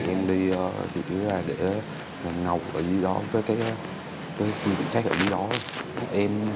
em đi việc như là để ngọc ở dưới đó với cái khu vực khác ở dưới đó